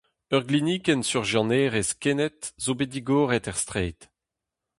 Ur glinikenn surjianerezh kened zo bet digoret er straed.